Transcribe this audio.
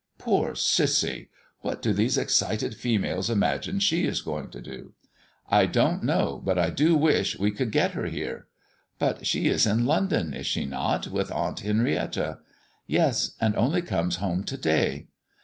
Poor Cissy! What do these excited females imagine she is going to do?" "I don't know, but I do wish we could get her here." "But she is in London, is she not, with Aunt Henrietta?" "Yes, and only comes home to day."